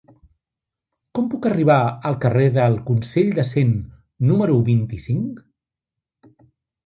Com puc arribar al carrer del Consell de Cent número vint-i-cinc?